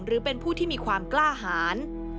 หรือเป็นผู้ที่มีความกล้าหาร